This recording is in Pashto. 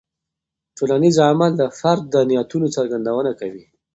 ټولنیز عمل د فرد د نیتونو څرګندونه کوي.